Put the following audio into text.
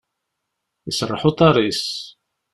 Iserreḥ uḍar-is.